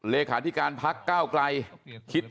รีคาธิการพักก้าวกลาย